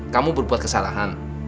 kamu berbuat kesalahan